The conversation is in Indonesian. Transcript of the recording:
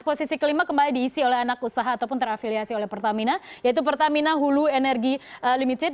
posisi kelima kembali diisi oleh anak usaha ataupun terafiliasi oleh pertamina yaitu pertamina hulu energy limited